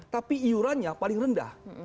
tapi iurannya paling rendah